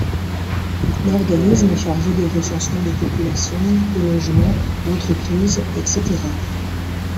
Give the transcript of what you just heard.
L'organisme est chargé des recensements de population, de logements, d'entreprises, etc.